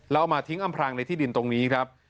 แล้วเอามาทิ้งอำพรางในที่ดินตรงนี้ครับ